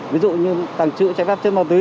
ví dụ như tàng trự chạy pháp trên bàn tí